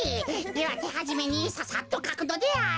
ではてはじめにささっとかくのである。